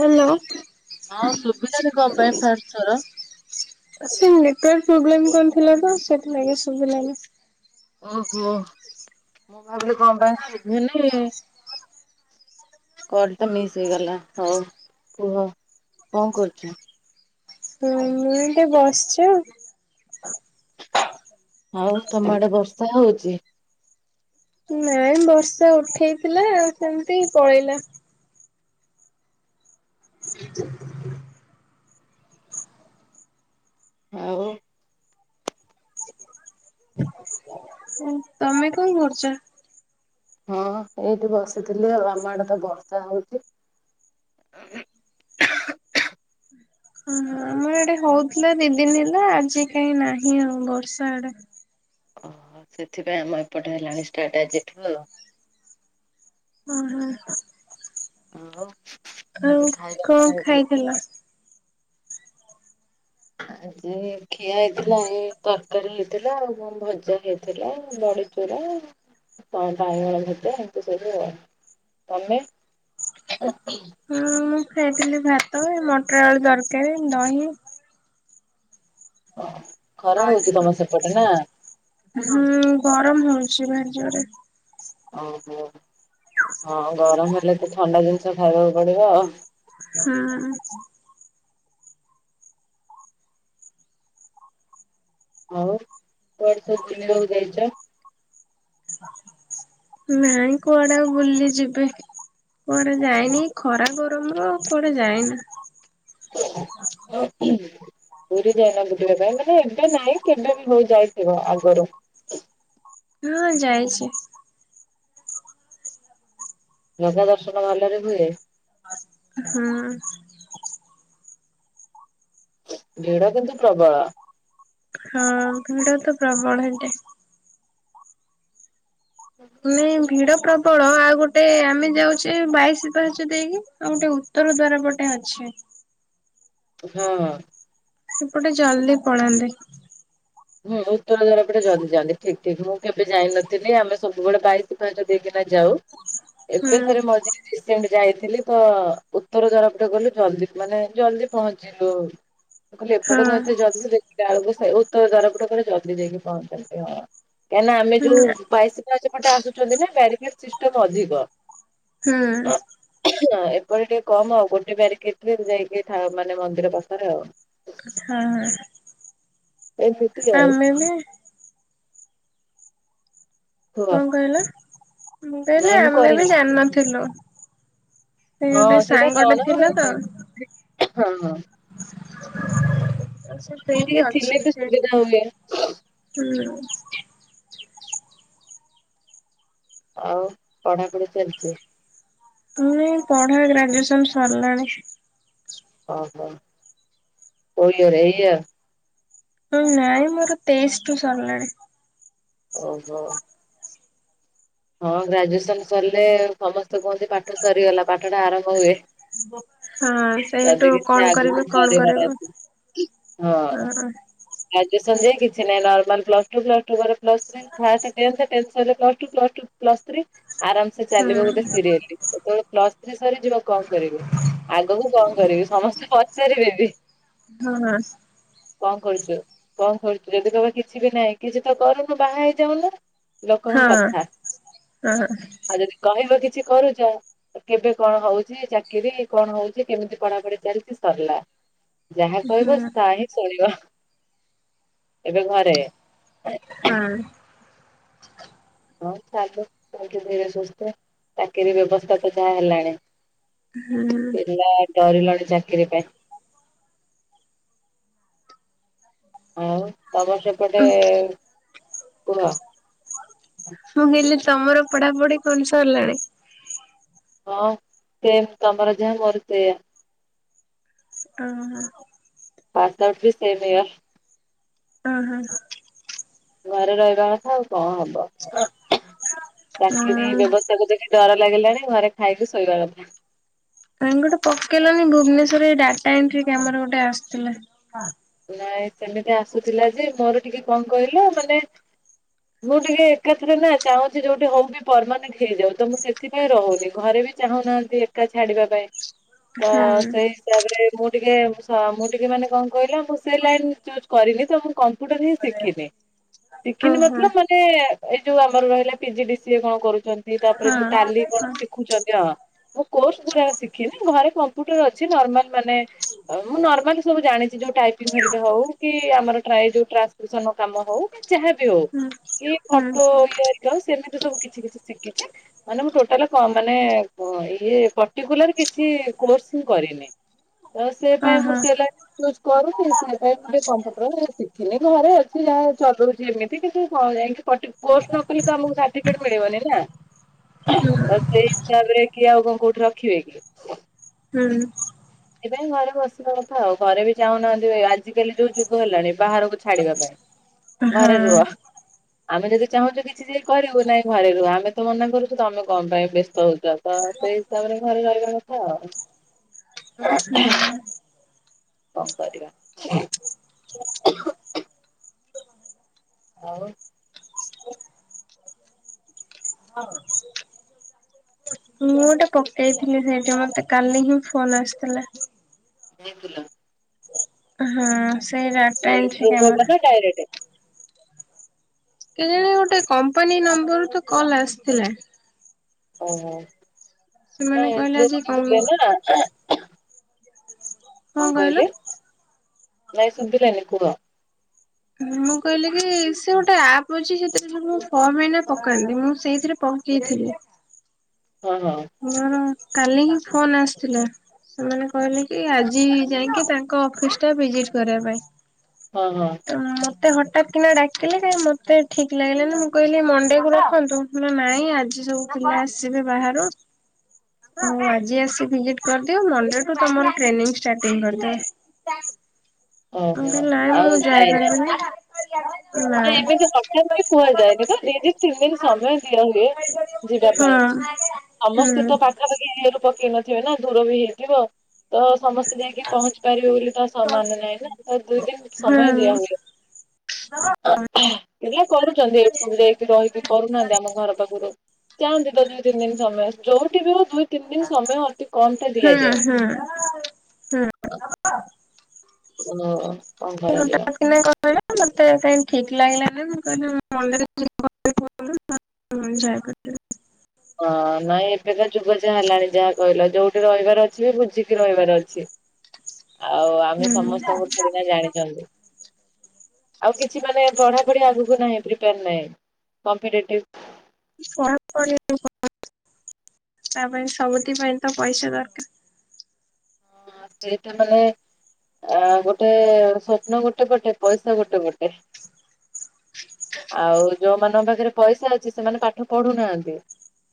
Hello ହାଲ୍ ହଁ ସୁବିଲାନି କଣ ପାଇଁ ଫାର୍ଷ୍ଟ ଥର? ସେ ନେଟୱର୍କ ପ୍ରୋବ୍ଲେମ କଣ ଥିଲା ତ ସେଥିଲାଗି ସୁବିଲାନି। ଉ ହୁଁ ମୁଁ ଭାବିଲି କଣ ପାଇଁ ଶୁଭୁନି-ଇ-ଇ କଲ୍ ତ ମିସ୍ ହେଇଗଲା। ହଉ କୁହ କଣ କରୁଛ।? ହୁଁ ମୁଁ ଏଠି ବସିଛି ଆଉ। ଆଉ ତମ ଆଡେ ବର୍ଷା ହଉଛିି? ନାଇଁ ବର୍ଷା ଉଠେଇଥିଲା ସେମିତି ପଳେଇଲା। [inaudible] ଆଉ ତମେ କଣ କରୁଛ? ହଁ ଏଇଠି ବସିଥିଲି ଆଉ। ଆମ ଆଡେ ତ ବର୍ଷା ହଉଛି। ଓ ହଁ ଏଆଡ଼େ ହଉଥିଲା ଦି ଦିନ ହେଲା ଆଜି କାହିଁ ନାହିଁ ଆଉ ବର୍ଷା ଆଡେ। ଓହୋ ସେଥିପାଇଁ ଆମ ଏପଟେ ହେଲାଣି ଷ୍ଟାର୍ଟ ଆଜିଠୁ ଆଉ। ହଁ ହଁ। ଆଉ ଆଉ ଆଜି ଖାଇବା କଣ ହେଇଥିଲା? ଖାଇଥିଲ? ଆଜି ଖିଆ ହେଇଥିଲା ଏ ତରକାରୀ ହେଇଥିଲା ଆଉ ଭଜା ହେଇଥିଲା ବଡି ବଡ଼ିଚୁରା କଣ ବାଇଗଣ ଭଜା ଏମତି ସବୁ ଆଉ। ତମେ? ଅ ଉଁହ୍ ହୁଁ ମୁଁ ଖାଇଥିଲି ଭାତ ମଟର ଆଳୁ ତରକାରୀ ଦହି। ଓହୋ ଖରା ହଉଚି ତମ ସେପଟେ ନା। ହୁଁ ଗରମ ହଉଚି ଭାରି ଜୋରେ। [unintelligible] ହଁ ଗରମ ହେଲେ ତ ଥଣ୍ଡା ଜିନିଷ ଖାଇବାକୁ ପଡିବ। ହୁଁ। ଆଉ କୁଆଡେ ସବୁ ବୁଲିବାକୁ ଯାଇଚ? ହୁଁ କୁଆଡେ ଆଉ ବୁଲି ଯିବି। କୁଆଡେ ଯାଇନି ଖରା ଗରମରୁ କୁଆଡେ ଯାଇନି। ଉଁ ଉହୁଁ ପୁରୀ ଯାଇନା ବୁଲିବା ପାଇଁ ମାନେ ଏବେ ନାଇଁ କେବେ ବି ହଉ ଯାଇଥିବ ଆଗରୁ। ହଁ ଯାଇଚି। ଜଗା ଦର୍ଶନ ଭଲରେ ହୁଏ? ହଁ। ଭିଡ କିନ୍ତୁ ପ୍ରବଳ। ହଁ ଭିଡ ତ ପ୍ରବଳ ହେଇଟାଏ। ନାଇଁ ଭିଡ ପ୍ରବଳ ଆଉ ଗୋଟେ ଆମେ ଯାଉଚେ ବାଇଶି ପାହାଚ ଦେଇକି ଆଉ ଗୋଟେ ଉ ତ୍ତର ଦ୍ଵାର ଗୋଟେ ଅଛି। ଉ ହଁ। ସେପଟେ ଜଲଦି ପଳାନ୍ତି। ହୁଁ ଉତ୍ତର ଦ୍ୱାର ପଟେ ଜଲଦି ଯାଆନ୍ତି। ଠିକ୍ ଠିକ୍। ମୁଁ କେବେ ଯାଇନଥିନି ଆମେ ସବୁବେଳେ ବାଇଶି ପାହଚ ଦେଇକିନା ଯାଉ। ହୁଁ ଏବେ ଥରେ ମଝି ରିସେଣ୍ଟ ଯାଇଥିଲି ତ ଉତ୍ତର ଦ୍ୱାର ପଟେ ଗଲୁ ଜଲଦି ମାନେ ଜଲଦି ପହଞ୍ଚିି ଇଲୁ। ମୁଁ କଇଲି ଏପଟେ ହଁ ଭାରୁଥିବେ ଜଲଦି ଦେଖିଲାଳୁକୁ ସେ ଉତ୍ତର ଦ୍ୱାର ପଟେ ପୁଣି ଜଲଦି ଯାଇକି ପହଞ୍ଚନ୍ତି ହଁ। କାଇଁ ନା ଆମେ ହୁଁ ଯୋଉ ବାଇଶି ପାହାଚ ପଟେ ଆସୁଛନ୍ତି ନା ବ୍ୟାରିକେଟ୍ ସିଷ୍ଟମ୍ ଅଧିକ। ହୁଁ। [unintelligible] ଏପଟେ ଟିକେ କମ୍ ଆଉ ଗୋଟେ ବ୍ୟାରିକେଟ୍ ଯାଇକି ଠା ମାନେ ମନ୍ଦିର ପାଖରେ ଆଉ। କଥା ଏ ସେତିି ଆଉ। ଏମୁଣା କୁହ କଁ କଇଲ ମୁଁ କଇଲି ନାଇଁ ଆମେ ବି କହିନି। ଜାଣିନଥିଲୁ। ସେ ଗୋଟେ ହଁ ସେଇଟା ସାଙ୍ଗଟେ ଜ୍ଞାନ ଗଣ ଥିଲା ତ ହେଇଥାଏ। ଉଁହୁଁ। ହଁ। ସେ ଆଉ କିଏ ସେଇଠି ଟିକେ ଥିଲେ ବି ସୁବିଦା ହୁଏ। ହୁଁ। ଆଉ ପଢାପଢି ଚାଲିଚି? ହୁଁ ପଢା ଗ୍ରାଜୁଏସନ୍ ସରିଲାଣି। ଓହୋ। କୋଉ ଇୟର୍ ଏଇ ଇୟର୍? ହୁଁ ନାଇଁ ମୋର ତେଇଶଠୁ ସରିଲାଣି। ଓହୋ। ହଁ ଗ୍ରାଜୁଏସନ୍ ସରଲେ ସମସ୍ତେ କୁହନ୍ତି ପାଠ ସରିଗଲା ପାଠଟା ଆରମ୍ଭ ହୁଏ। [unintelligible] ଯଦି ସେଇଠୁ କିଛି କଣ ଆଗୁକୁ କରିବେ କଣ କରିବାର କରିବ ଅଛି। ହଁ। ଗ୍ରାଜୁଏସନ୍ ଯାଏଁ କିଛି ନାଇଁ normal plus two plus two ପରେ plus three. First tenth tenth ସଇଲେ plus two plus two plus three ଆରାମ୍ ସେ ହଁ ଚାଲିବ ଗୋଟେ ସିରିଏଲି। [unintelligible] ପ୍ଲସ୍ ଥ୍ରୀ ସରିଯିବ କଁ କରିବେ? ଆଗକୁ କଁ କରିବି ସମସ୍ତେ ପଚାରିବେ ବି। [unintelligible] କରୁଚ କଁ କରୁଚୁ? ଯଦି କହିବ କିଛି ବି ନାଇଁ କିଛି ତ କରୁନୁ ବାହା ହେଇଯାଉନୁ। ହଁ ଲୋକଙ୍କ କଥା ହଁ ଆଉ ଯଦି କହିବ କିଛି କରୁଛ କେବେ କଣ ହଉଛି ଚାକିରି କଣ ହଉଛି କେମିତି ପଢାପଢି ଚାଲିଛି ସରିଲା। ଯାହା କହିବ ହୁଁ ତା ହିଁ ଶୁଣିବ। ଏବେ ଘରେ? ହଁ। ହଁ ଚାଲୁ ଧୀରେ ସୁସ୍ଥ, ଚାକିରି ବ୍ୟବସ୍ଥା ତ ଯାହା ହେଲାଣି। ହୁଁ। ପିଲା ଡରିଲଣି ଚାକିରି ପାଇଁ। ଆଉ ତମର ସେପଟେ ମୁଁ କୁହ। ମୁଁ ହେଲିି ତମର ପଢାପଢି କଣ ସରିଲାଣି? ହଁ ସେ ତମର ଯାହା ମୋର ସେଆ। ହଁ। ପାସ ଆଉଟ ବି ସେମ ୟେର୍। ଅ ହଁ। ଘରେ ରହିବା କଥା ଆଉ କଣ ହବ, ଚାକିର ହଁ। ବ୍ୟବସ୍ ତାକୁ ଦେଖି ଡର ଲାଗିଲାଣି ଘରେ ଖାଇକି ଶୋଇବା କଥା। ନାଇ ଗୋଟେ ପକେଇଲନି ଭୁବନେଶ୍ୱରରେ ଏଇ ଗୋଟେ ଡାଟା ଏଣ୍ଟ୍ରି କାମରେ ଗୋଟେ ଆସିଥିଲା। ନାଇଁ ସେମିତି ଆସୁଥିଲା ଯେ, ମୋର ଟିକେ କଣ କହିଲ ମାନେ ମୁଁ ଟିକେ ଏକାଥରେ ନା ଚାହୁଁଛି ଯୋଉଠି ହଉ ବି ପରମାନେଣ୍ଟ ହେଇଯାଉ, ତ ମୁଁ ସେଥିପାଇଁ ରହୁନି, ଘରେ ବି ଚାହୁଁନାହାଁନ୍ତି ଏକା ଛାଡିବା ପାଇଁ ତ ହୁଁ ସେଇ ହିସାବରେ ମୁଁ ଟିକେ ଶ୍ ମୁଁ ଟିକେ ମାନେ କଣ କହିଲ ମୁ ସେ ଲାଇନ ଚୁଜ କରିନି ତ ମୁଁ କମ୍ପ୍ୟୁଟର ହିଁ ଶିଖିନି ଶିଖିନି ଓହୋ। ମତଲବ୍ ମାନେ ଏଇ ଯୋଉ ଆମର ରହିଲା ପିଜି ଡି ସିଏ କଣ କରୁଛନ୍ତି, ତାପରେ ହଁ ଯୋଉ ଟାଲି କଣ ହଁ। ଶିଖ ରଖୁଛନ୍ତି ହଁ, ମୁଁ କୋର୍ସ ପୁରା ଶିଖିନି ଘରେ କମ୍ପ୍ୟୁଟର ଅଛି ନର୍ମାଲ ମାନେ ମୁଁ ନର୍ମାଲି ସବୁ ଜାଣିଛି, ଯୋଉ ଟାଇପିଙ୍ଗ ଧରିକ ହଉ କି ଆମର ପ୍ରାୟେ ଯୋଉ ଟ୍ରାନ୍ସସ କ୍ରିପ୍ସନର କାମ ହଉ କି ଯାହାବି ହଉ ହୁଁ। କି ହୁଁ ଫଟୋ ଇଏ ହେରି ଆଉ ସେମିତି ସବୁ କିଛି କିଛି ଶିଖିଛି। ମାନେ ମୁଁ ଟୋଟାଲ ମାନେ ଇ ପଟିକୁଲାର କିଛି କୋର୍ସ ହିଁ କରିନି। ହ [inaudible] ଆଉ ସେ ପାଇଁ ମୁଁ ସେ ଲାଇନ ଚୁଜ କରୁନି, ସେ ପାଇଁ ମୁଁ ଟିକେ କନ୍ ଶିଖିନି ଘରେ ଅଛି ଯାହା ଚଲଉଛି ଏମିତି କିଛି ଜାଇଁକି ପଟି କୋର୍ସ ନ ତ ଆମକୁ ସାର୍ଟିଫିକେଟ ମିଳିବନି ନା। ତ ସେଇ ହିସାବ ରେ କି ଆଉ କଣ କୋଉଠି ରଖିବେ କି? ହୁଁ। ସେଥିପାଇଁ ଘରେ ବସିବା କଥା ଆଉ, ଘରେ ବି ଚାହୁନାହାନ୍ତି ଆଜିକାଲି ଯୋଉ ଯୁଗ ହେଲାଣି ବାହାରକୁ ଛାଡିବା ପାଇଁ, ଘରେ ରୁହ। ହଁ ଆମେ ଯଦି ଚାହୁଁଛୁ କିଛି ଯ କରିବୁ ନାହିଁ ଘରେରୁହ, ଆମେ ତ ମନା କରୁଛୁ ତମେ କଣ ପାଇଁ ବ୍ୟସ୍ତ ହଉଛ, ତ ସେଇ ତାପରେ ଘରେ ରହିବା କଥା ଆଉ। ହୁଁ। କଣ କରିବା। ଆଉ? ମୁଁ ଗୋଟେ ପକେଇଥିଲି ସେଇଠି ମତେ କାଲି ହିଁ ଫୋନ ଆସିଥିଲା। ଯାଇଥିଲ? ହୁଁ ସେଇ କଣ ଡାଟା ଏଣ୍ଟ୍ରି ଇଣ୍ଟରଭ୍ୟୁ ହବ କାମରେ। ନା ଡାଇରେକ୍ଟ କେଜାଣି ଗୋଟେ କମ୍ପାନୀ ନମ୍ବର ରୁ ତ କଲ୍ ଆସିଥିଲା। ଓହୋ, ସେମାନେ ନାଇଁ କହିଲେ ଏଣ୍ଟ୍ରି ଆଜି କଣ ପାଇଁ ଥିଲେ ନା। କଣ କହିଲେ, ନାଇଁ ଶୁଭିଲାନି କୁହ। ମୁଁ କହିଲି କି ସେ ଗୋଟେ ଆପ୍ ଅଛି, ସେଥିରେ ଫର୍ମ ଏଇନା ପକାନ୍ତି ମୁଁ ସେଇଥିରେ ପହକେଇଥିଲି। ହଁ ହଁ। ମୋର କାଲି ହି ଫୋନ ଆସିଥିଲା। ସେମାନେ କହିଲେ କି ଆଜି ଯାଇକି ତାଙ୍କ ଅଫିସ ଟା ଭିଜିଟ କରିବା ପାଇଁ। ହଁ ହଁ। ତ ମତେ ହଠାତ୍ କିନା ଡାକିଲେ କାଇଁ ମତେ ଠିକ ଲାଗିଲାନି ମୁଁ କହିଲି ମଣ୍ଡେ କୁ ରଖନ୍ତୁ। ନା ନାଇଁ ଆଜି ସବୁ ପିଲା ଆସିବେ ବାହାରୁ। ଆଉ ଆଜି ଆସି ଭିଜିଟ କରିଦିଅ ମଣ୍ଡେଠୁ ତମର ଟ୍ରେନିଂ ଷ୍ଟାଟିଙ୍ଗ କରିଦବା। ମୁଁ ଓହୋ କଇଲି ନାଇଁ ଆଉ ମୁଁ ଯାଇନ ଯାଇପାରିବନି। ନାଇଁ ଏମିତି ହଠାତ୍ ବି କୁହାଯାଏନି ତ ଦି ଦିନ ତିନ ଦିନ ସମୟ ଦିଅନ୍ତି। ହଁ। ହୁଁ ସମସ୍ତେ ହୁଁ ତ ପାଖାପାଖି ଏରିଆରୁ ପକେଇ ନଥିବେ ନା ଦୂର ବି ହେଇଥିବ ତ ସମସ୍ତେ। ଯାଇକି ପହଞ୍ଚି ପାରିବେ ବୋଲି ତ ସମାନ ନାହିଁ ନା ତ ଦୁଇ ଦିନ ସମୟ ଦିଆ ହୁଏ। ପିଲା କରୁଛନ୍ତି ଏଇଠି ସବୁ ଯାଇକି ରହିକି କରୁନାହାନ୍ତି ଆମ ଘର ପାଖରୁ। ଚାଆନ୍ତି ତ ଦୁଇ ତିନି ଦିନ ସମୟ ଯୋଉଠି ବି ହଉ ଦୁଇ ତିନି ଦିନ ସମୟ ଅତି କମ ଟା ଦିଆଯାଏ। ହୁଁ। ମନ। [unintelligible] କଇଲେ ମତେ କାଇଁ ଠିକ ଲାଗିଲାନ ମୁଁ କଇଲି [unintelligible] ଜୟ କରିଦେବେ। ହଁ ନାଇଁ ଏବେ ତ ଯୁଗ ଯାହା ହେଲାଣି ଯାହା କହିଲ ଯୋଉଠି ରହିବାର ଅଛି ବି ବୁଝିକି ରହିବାର ଅଛି। ହ [inaudible] ଆଉ ଆମେ ସମସ୍ତଙ୍କୁ ଯୋଡ଼ି ନା ଜାଣିଛନ୍ତି। ଆଉ କିଛି ମାନେ ପଢା ପଢି ଆଗକୁ ନାଇ ପ୍ରିପେଆର ନାହିଁ କମ୍ପିଟେଟିଭ। ପଢା ପଢି ଆଉ କଣ ତା ପାଇଁ ସବୁତିି ପାଇଁ ତ ପଇସା ଦରକାର। ହଁ ସେଇଟା ମାନେ। ଆ ଗୋଟେ ସୋପ୍ନ ଗୋଟେ ପଟେ ପଇସା ଗୋଟେ ପଟେ। ଆଉ ଯୋଉ ମାନଙ୍କ ପାଖରେ ପଇସା ଅଛି ସେମାନେ ପାଠ ପଢୁନାହାନ୍ତି।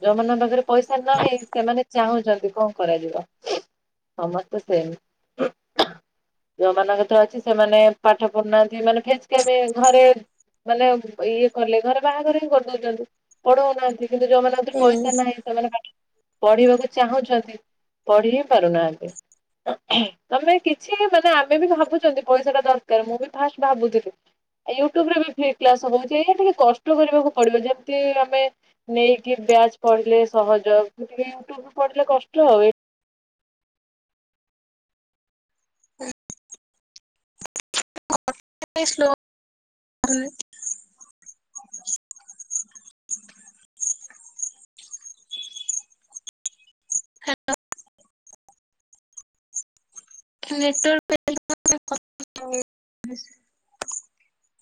ଯୋଉମାନଙ୍କ ପାଖରେ ପଇସା ନାହିଁ ସେମାନେ ଚାହୁଁଛନ୍ତି କଣ କରାଯିବ। ସମସ୍ତେ ସେମ। ଯୋଉମାନଙ୍କର ତ ଅଛି ସେମାନେ ପାଠ ପଢୁନାହାନ୍ତି ମାନେ ଫେଚକାମି ଘରେ। ମାନେ ଇଏ କଲେ ଘରେ ବାହାଘର ହିଁ କରିଦଉଛନ୍ତି ପଢଉନାହାନ୍ତି। କିନ୍ତୁ ଯୋଉମାନଙ୍କ କତିରେ ପଇସା ହୁଁ ନାହିଁ ସେମାନେ ପାଠ ପଢିବାକୁ ଚାହୁଁଛନ୍ତି ପଢି ହିଁ ପାରୁନାହାନ୍ତି। ତମେ କିଛି ମାନେ ଆମେ ବି ଭାବୁଛନ୍ତି ପଇସା ଟା ଦରକାର ମୁଁ ବି ଫାଷ୍ଟ ଭାବୁଥିଲି। ୟୁଟୁବ ରେ ବି ଫ୍ରି କ୍ଲାସ ହହୁଛିଇ ଟିକେ କଷ୍ଟ କରିବାକୁ ପଡିବ ଯେମିତି ଆମେ। ନେଇକି ବ୍ୟାଚ୍ ପଢିଲେ ସହଜ କିନ୍ତୁ ୟୁଟ୍ୟୁବୁ ପଢିଲେ କଷ୍ଟ ଆଉ। କାଇଁ ସ୍ଲୋ ଉଁ। ହାଲୋ। Net work [unintelligible]